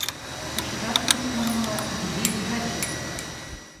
Пашажат, руш манмыла, «не бей лежачего».